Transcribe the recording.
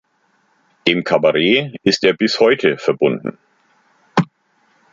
Dem Kabarett ist er bis heute verbunden.